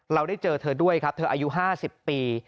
เราได้เจอเธอด้วยครับเธออายุ๕๐ปี